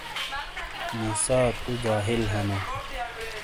مُوسٰی تو جاہل ہنو۔